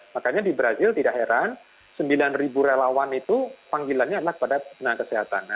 makanya di brazil tidak heran sembilan ribu relawan itu panggilannya adalah kepada tenaga kesehatan